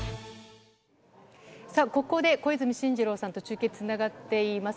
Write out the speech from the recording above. さあ、ここで小泉進次郎さんと中継、つながっています。